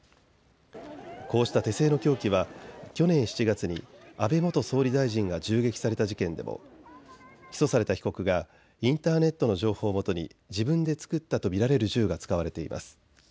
こうした手製の凶器は去年７月に安倍元総理大臣が銃撃された事件でも起訴された被告がインターネットの情報をもとに自分で作ったと見られる銃が使われています。